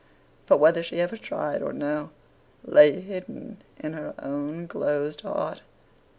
But whether she ever tried or no, lay hidden in her own closed heart.